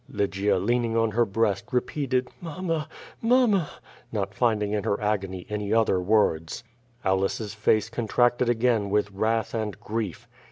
Lygia, leaning on her breast, repeated, *^amma, mamma," not finding in her agony any other Avords. Aulus's face contracted again with wrath and grief.